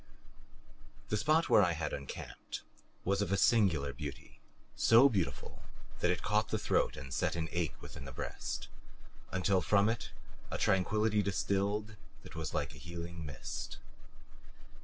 The spot where I had encamped was of a singular beauty; so beautiful that it caught the throat and set an ache within the breast until from it a tranquillity distilled that was like healing mist.